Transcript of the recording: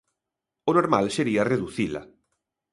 O normal sería reducila.